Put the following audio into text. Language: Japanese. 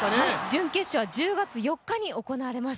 準決勝は１０月４日に行われます。